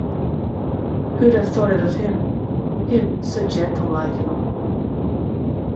Who’d have thought it of him — him so gentle-like and all!